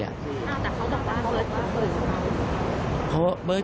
แต่เขาจำเปล่าเบิร์ตคงถืนน่ะ